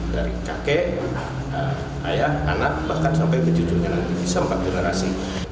dari kakek ayah anak bahkan sampai ke cucunya sampai generasi